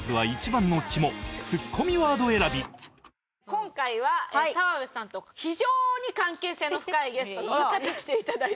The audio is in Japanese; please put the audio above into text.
今回は澤部さんと非常に関係性の深いゲストの方に来て頂いています。